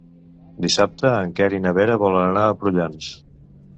Dissabte en Quer i na Vera volen anar a Prullans.